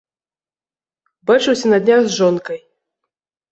Бачыўся на днях з жонкай.